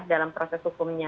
dalam proses hukumnya